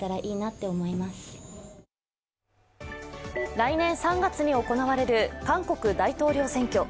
来年３月に行われる韓国大統領選挙。